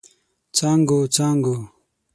څانګو، څانګو